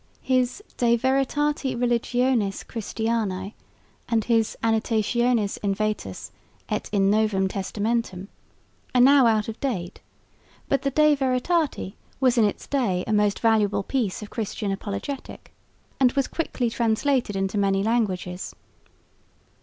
His De Veritate Religionis Christianae and his Annotationes in Vetus et in Novum Testamentum are now out of date; but the De Veritate was in its day a most valuable piece of Christian apologetic and was quickly translated into many languages.